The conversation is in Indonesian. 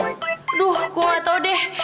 aduh gue gak tau deh